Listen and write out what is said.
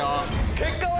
結果は？